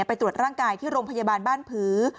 ไปตรวจร่างกายที่โรงพยาบาลบ้านผือ